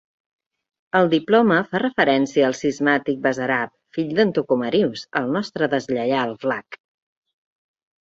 El diploma fa referència al cismàtic Basarab, fill d'en Thocomerius, el nostre deslleial Vlach.